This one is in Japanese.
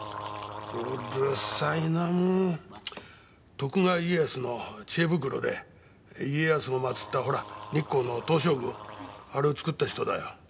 徳川家康の知恵袋で家康を祭ったほら日光の東照宮あれを造った人だよ。